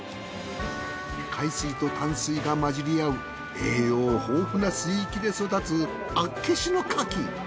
海水と淡水が混じり合う栄養豊富な水域で育つ厚岸の牡蠣